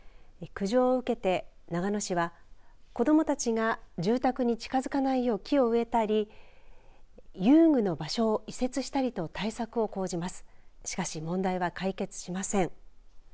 苦情を受けて、長野市は子どもたちが住宅に近づかないよう木を植えたり遊具の場所を移設したりと対策を講じます。